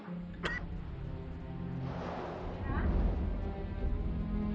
kamu tidur lagi ya